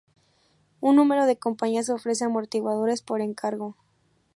Un número de compañías ofrece amortiguadores por encargo.